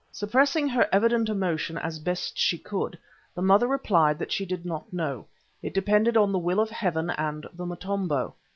Suppressing her evident emotion as best she could, the Mother replied that she did not know; it depended on the will of Heaven and the Motombo.